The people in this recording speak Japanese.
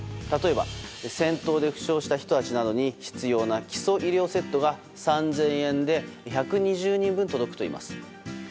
例えば、戦闘で負傷した人たちなどに必要な基礎医療セットが３０００円で１２０人分届くといいます。